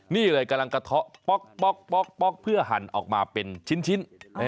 นี่เลยกำลังกระเทาะป๊อกเพื่อหั่นออกมาเป็นชิ้น